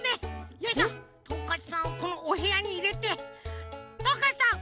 よいしょトンカチさんをこのおへやにいれてトンカチさん